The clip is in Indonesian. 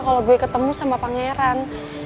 kalau gue ketemu sama pangeran